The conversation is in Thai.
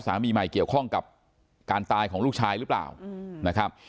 สามีใหม่เกี่ยวข้องกับการตายของลูกชายหรือเปล่านะครับ